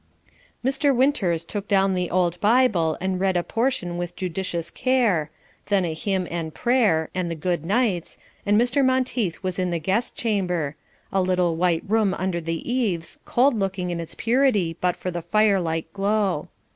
Mr. Winters took down the old Bible and read "a portion with judicious care," then a hymn and prayer, and the good nights, and Mr. Monteith was in the guest chamber a little white room under the eaves, cold looking in its purity but for the firelight glow.